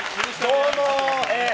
どうも。